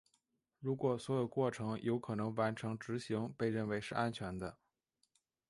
如果所有过程有可能完成执行被认为是安全的。